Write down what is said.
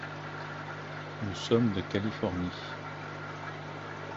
Nous sommes de Californie.